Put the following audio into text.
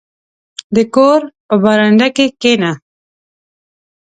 • د کور په برنډه کښېنه.